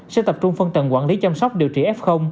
sẽ tập trung phân tầng quản lý chăm sóc điều trị f